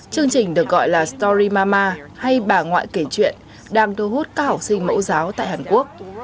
chương trình được gọi là story mamama hay bà ngoại kể chuyện đang thu hút các học sinh mẫu giáo tại hàn quốc